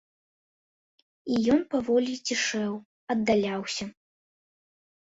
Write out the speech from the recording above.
І ён паволі цішэў, аддаляўся.